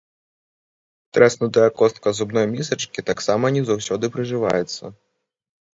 Трэснутая костка зубной місачкі таксама не заўсёды прыжываецца.